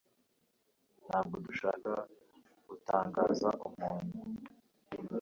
Ntabwo dushaka gutangaza umuntu